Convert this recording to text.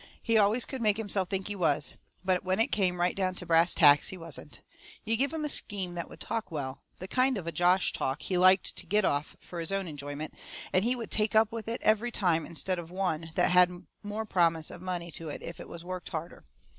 He always could make himself think he was. But when it come right down to brass tacks he wasn't. You give him a scheme that would TALK well, the kind of a josh talk he liked to get off fur his own enjoyment, and he would take up with it every time instead of one that had more promise of money to it if it was worked harder.